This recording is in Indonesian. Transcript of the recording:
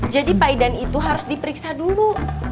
jadi pak idan itu harus diperiksa dulu